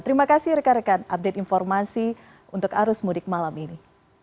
terima kasih rekan rekan update informasi untuk arus mudik malam ini